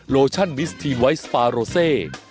โลชั่นมิสทีนไวท์สปาโรเซ